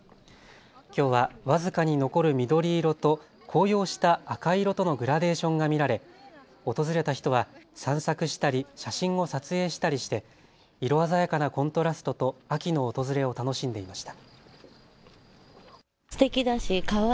きょうは僅かに残る緑色と紅葉した赤色とのグラデーションが見られ、訪れた人は散策したり写真を撮影したりして色鮮やかなコントラストと秋の訪れを楽しんでいました。